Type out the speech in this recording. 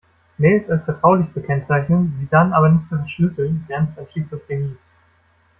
Mails als vertraulich zu kennzeichnen, sie dann aber nicht zu verschlüsseln, grenzt an Schizophrenie.